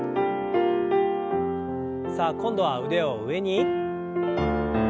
さあ今度は腕を上に。